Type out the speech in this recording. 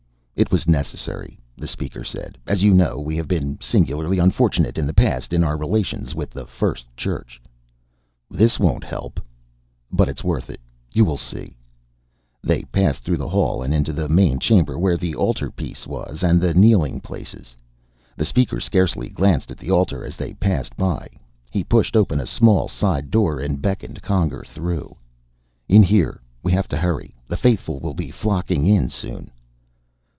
"It was necessary," the Speaker said. "As you know, we have been singularly unfortunate in the past in our relations with the First Church." "This won't help." "But it's worth it. You will see." They passed through the hall and into the main chamber where the altar piece was, and the kneeling places. The Speaker scarcely glanced at the altar as they passed by. He pushed open a small side door and beckoned Conger through. "In here. We have to hurry. The faithful will be flocking in soon."